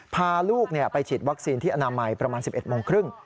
พาลูกไปฉีดวัคซีนที่อนามัยประมาณ๑๑โมงครึ่ง